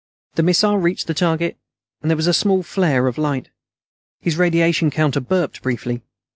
The missile reached the target, and there was a small flare of light. His radiation counter burped briefly.